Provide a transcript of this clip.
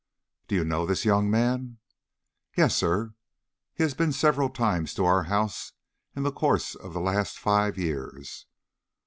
"Do you know this young man?" "Yes, sir. He has been several times to our house in the course of the last five years."